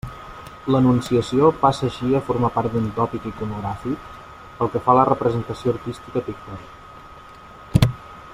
L'anunciació passa així a formar part d'un tòpic iconogràfic pel que fa a la representació artística pictòrica.